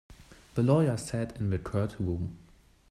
The lawyer sat in the courtroom.